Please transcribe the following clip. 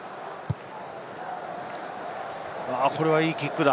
これはいいキックだ。